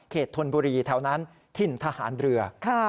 ธนบุรีแถวนั้นถิ่นทหารเรือ